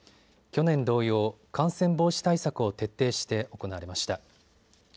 去年同様、感染防止対策を徹底して行われました。